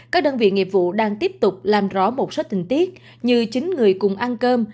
các đơn vị nghiệp vụ đang tiếp tục làm rõ một số tình tiết như chính người cùng ăn cơm